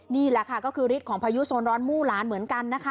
นี่แหละค่ะก็คือฤทธิของพายุโซนร้อนมู่หลานเหมือนกันนะคะ